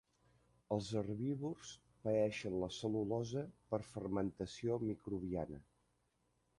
Els herbívors paeixen la cel·lulosa per fermentació microbiana.